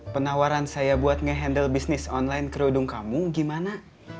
penawaran saya buat nge handle bisnis online kerudung kamu gimana